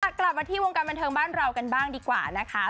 กลับมาที่วงการบันเทิงบ้านเรากันบ้างดีกว่านะคะ